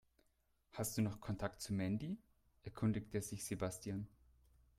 "Hast du noch Kontakt zu Mandy?", erkundigte sich Sebastian.